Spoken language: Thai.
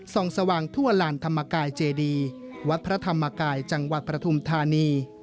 สว่างทั่วลานธรรมกายเจดีวัดพระธรรมกายจังหวัดปฐุมธานี